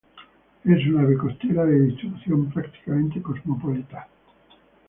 Es una ave costera de distribución prácticamente cosmopolita.